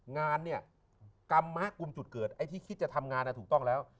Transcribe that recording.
งานเนี่ยกรรมะกลุ่มจุดเกิดไอ้ที่คิดจะทำงานถูกต้องแล้ว